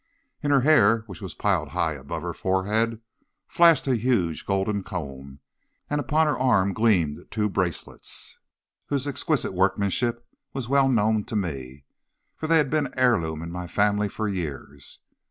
In her hair, which was piled high above her forehead, flashed a huge golden comb, and upon her arm gleamed two bracelets, whose exquisite workmanship was well known to me, for they had been an heirloom in my family for years.